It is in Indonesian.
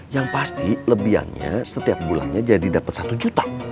yang pasti lebihannya setiap bulannya jadi dapat satu juta